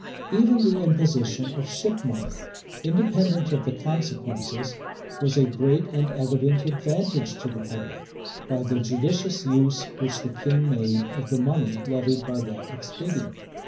Even the imposition of ship money, independent of the consequences, was a great and evident advantage to the public, by the judicious use which the king made of the money levied by that expedient.